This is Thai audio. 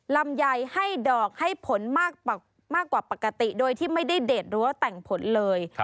ลำไยให้ดอกให้ผลมากกว่าปกติโดยที่ไม่ได้เด็ดหรือว่าแต่งผลเลย